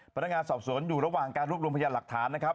พนักงานสอบสวนอยู่ระหว่างการรวบรวมพยานหลักฐานนะครับ